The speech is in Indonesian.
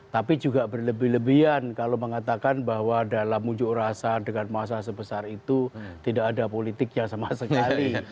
tapi juga berlebihan kalau mengatakan bahwa dalam muncul rasa dengan massa sebesar itu tidak ada politik yang sama sekali